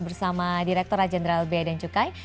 bersama direkturat jenderal bea dan cukai